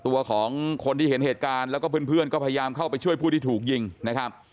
ตัวของคนที่เห็นเหตุการณ์แล้วก็เพื่อนก็พยายามเข้าไปช่วยผู้ที่ถูกยิงนะครับ